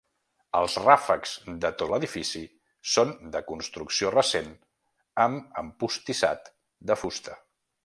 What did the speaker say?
Els ràfecs de tot l'edifici són de construcció recent amb empostissat de fusta.